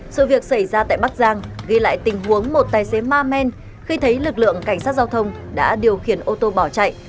sự việc xảy ra tại bắc giang ghi lại tình huống một tài xế ma men khi thấy lực lượng cảnh sát giao thông đã điều khiển ô tô bỏ chạy